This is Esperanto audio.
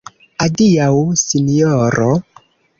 Adiaŭ, sinjoro.